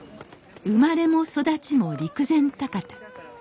生まれも育ちも陸前高田。